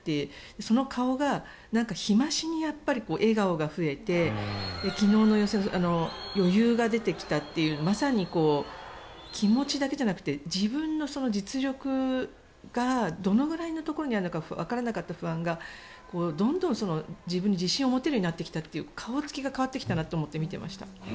その顔が日増しに笑顔が増えて昨日の予選余裕が出てきたというまさに気持ちだけじゃなくて自分の実力がどのくらいのところにあるのかわからなかった不安がどんどん自分に自信を持てるようになってきたという顔付きが変わってきたなと思って見ていました。